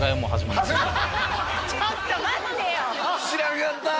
ちょっと待ってよ